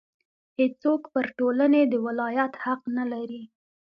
هېڅوک پر ټولنې د ولایت حق نه لري.